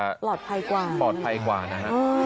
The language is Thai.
ปลอดภัยกว่าใช่ไหมครับปลอดภัยกว่านะครับอืม